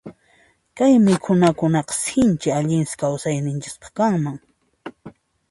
Kay mikhunakunaqa sinchi allinsi kawsayninchispaq kanman.